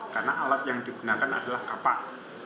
karena alat yang digunakan adalah kapak